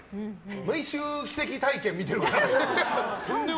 毎週、奇跡体験見てるからね。